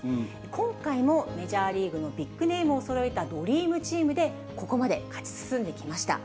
今回もメジャーリーグのビッグネームをそろえたドリームチームでここまで勝ち進んできました。